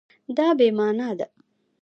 دا بې مانا ده